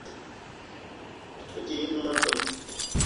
Me te ye n'noung akeng.